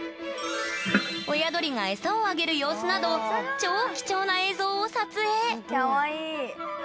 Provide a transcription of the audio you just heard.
親鳥が餌をあげる様子など超貴重な映像を撮影きゃわいい！